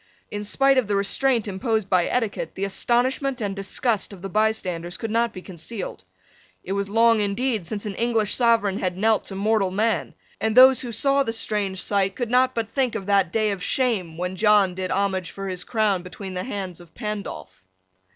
In spite of the restraint imposed by etiquette, the astonishment and disgust of the bystanders could not be concealed. It was long indeed since an English sovereign had knelt to mortal man; and those who saw the strange sight could not but think of that day of shame when John did homage for his crown between the hands of Pandolph.